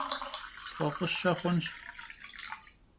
Sf'ef'ışe xhunş.